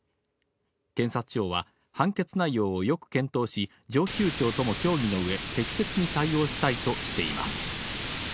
検察庁は、判決内容をよく検討し、上級庁とも協議のうえ、適切に対応したいとしています。